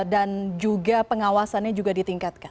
dan juga pengawasannya juga diperhatikan